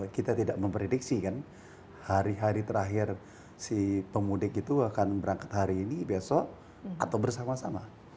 kita tidak memprediksi kan hari hari terakhir si pemudik itu akan berangkat hari ini besok atau bersama sama